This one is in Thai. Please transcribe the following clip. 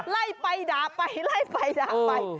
ไล่ไปด่าไปไล่ไปด่าไป